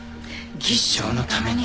技師長のために。